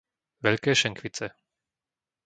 Veľké Šenkvice